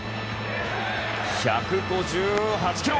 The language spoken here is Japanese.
１５８キロ！